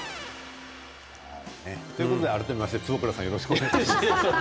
改めまして坪倉さんよろしくお願いします。